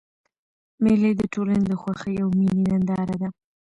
مېلې د ټولني د خوښۍ او میني ننداره ده.